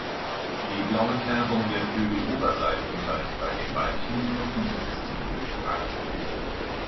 Die blaue Färbung der Flügeloberseiten reicht bei den Weibchen jedoch nicht bis zum Flügelrand.